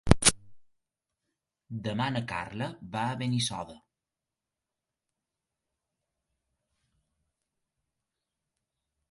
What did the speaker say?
Demà na Carla va a Benissoda.